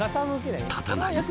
立たない？